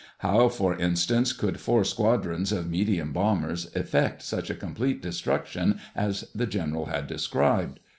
How, for instance, could four squadrons of medium bombers effect such a complete destruction as the general had described?